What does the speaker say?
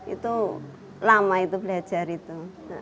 itu lama itu belajar itu